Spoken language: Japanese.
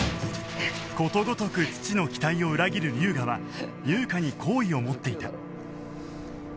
ことごとく父の期待を裏切る龍河は優香に好意を持っていた